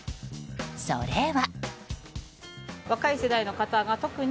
それは。